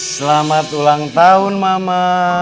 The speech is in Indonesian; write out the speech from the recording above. selamat ulang tahun mama